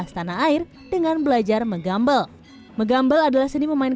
saya lebih suka belajar mengambil pada saat hari hibur